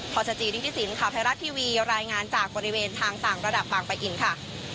พศจริษฐศิลป์ไทยรัฐทีวีรายงานจากบริเวณทางต่างระดับบางประอินทร์